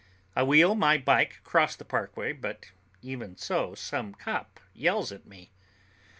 I wheel my bike across the parkway, but even so some cop yells at me.